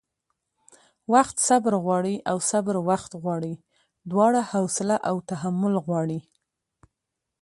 وخت صبر غواړي او صبر وخت غواړي؛ دواړه حوصله او تحمل غواړي